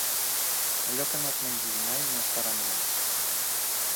Allò que no et mengis mai no es farà mal.